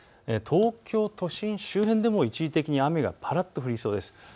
東京都心周辺でも一時的に雨がぱらっと降りそうです。